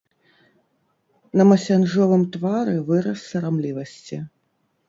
На масянжовым твары выраз сарамлівасці.